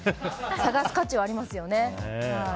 探す価値はありますよね。